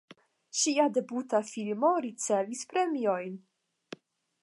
Ŝia debuta filmo ricevis premiojn.